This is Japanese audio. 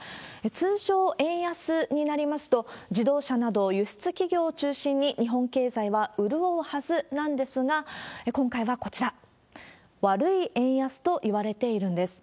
通常、円安になりますと、自動車など輸出企業を中心に、日本経済は潤うはずなんですが、今回はこちら、悪い円安といわれているんです。